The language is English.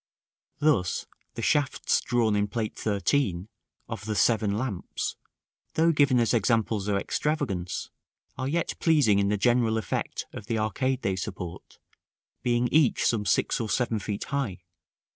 Thus, the shafts drawn in Plate XIII., of the "Seven Lamps," though given as examples of extravagance, are yet pleasing in the general effect of the arcade they support; being each some six or seven feet high.